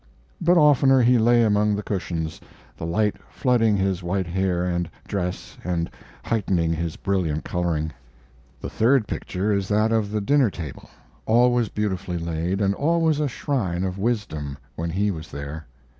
But oftener he lay among the cushions, the light flooding his white hair and dress and heightening his brilliant coloring. The third picture is that of the dinner table always beautifully laid, and always a shrine of wisdom when he was there.